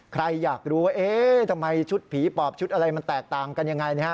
ใครอยากรู้ว่าเอ๊ะทำไมชุดผีปอบชุดอะไรมันแตกต่างกันยังไงนะฮะ